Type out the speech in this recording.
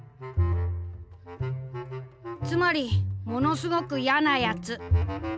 「つまりものすごく『ヤなやつ』！」。